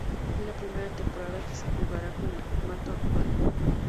Es la primera temporada que se jugará con el formato actual.